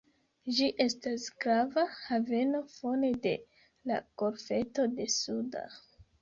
Ĝi estas grava haveno fone de la golfeto de Suda.